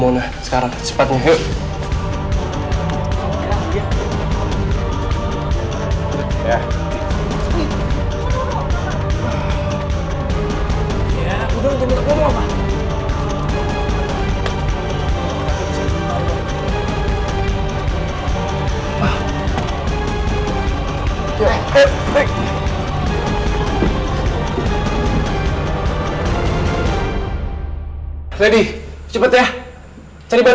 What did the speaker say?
duu aku lagi mikir gimana caranya kita bisa kuat dari sini